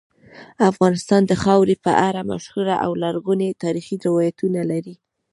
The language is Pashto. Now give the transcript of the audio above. افغانستان د خاورې په اړه مشهور او لرغوني تاریخی روایتونه لري.